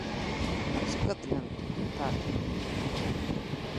Scotland, Pa.